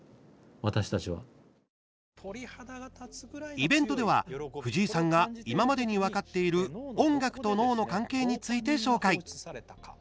イベントでは藤井さんが今までに分かっている音楽と脳の関係について紹介。